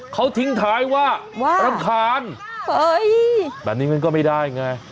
เขาทิ้งท้ายว่ารำคาญแบบนี้มันก็ไม่ได้ไง